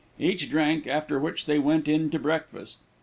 Each drank, after which they went in to breakfast.